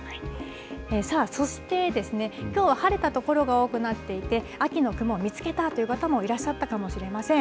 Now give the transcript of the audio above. さあ、そして、きょうは晴れた所が多くなっていて、秋の雲、見つけたという方もいらっしゃったかもしれません。